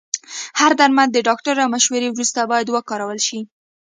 هر درمل د ډاکټر له مشورې وروسته باید وکارول شي.